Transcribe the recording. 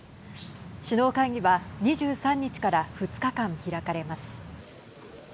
首脳会議は２３日から２日間開かれます。